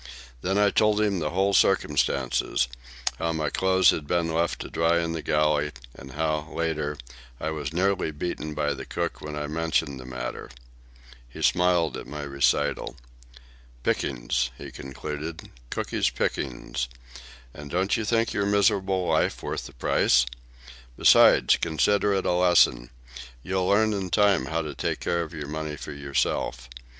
Then I told him the whole circumstance, how my clothes had been left to dry in the galley, and how, later, I was nearly beaten by the cook when I mentioned the matter. He smiled at my recital. "Pickings," he concluded; "Cooky's pickings. And don't you think your miserable life worth the price? Besides, consider it a lesson. You'll learn in time how to take care of your money for yourself.